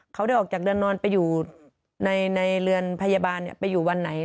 เขาได้ออกจากเรือนนอนไปอยู่ในเรือนพยาบาลไปอยู่วันไหน